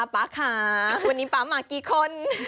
ป๊าค่ะวันนี้ป๊ามากี่คน